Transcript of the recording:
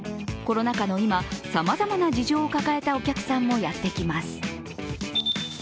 コロナ禍の今、さまざまな事情を抱えたお客さんもやってきます。